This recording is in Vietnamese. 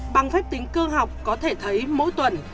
bằng phép tính cơ học có thể thấy mỗi tuần